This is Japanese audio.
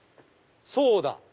そうだ。